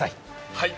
はい。